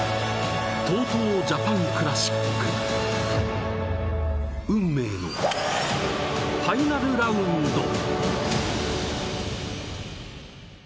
◆ＴＯＴＯジャパンクラシック運命のファイナルラウンド。